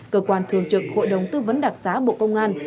cơ quan thưởng trực hội đồng tư vấn đặc sá bộ công an